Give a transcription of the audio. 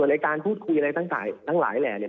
ไอ้การพูดคุยอะไรทั้งหลายแลนด์